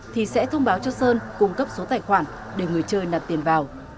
thì sẽ thông báo cho sơn cung cấp số tài khoản để người chơi nạp tiền vào